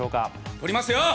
取りますよ！